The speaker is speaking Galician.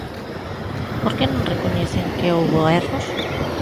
¿Por que non recoñecen que houbo erros?